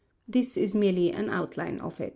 This is merely an outline of it.